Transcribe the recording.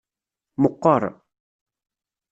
Meqqeṛ.